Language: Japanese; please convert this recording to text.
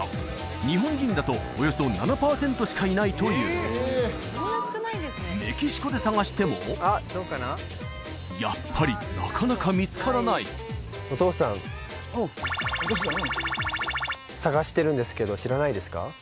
日本人だとおよそ７パーセントしかいないというメキシコで探してもやっぱりなかなか見つからないお父さん探してるんですけど知らないですか？